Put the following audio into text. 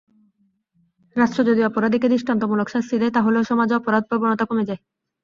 রাষ্ট্র যদি অপরাধীকে দৃষ্টান্তমূলক শাস্তি দেয়, তাহলেও সমাজে অপরাধপ্রবণতা কমে যায়।